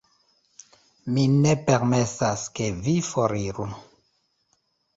Mi ne permesas, ke vi foriru.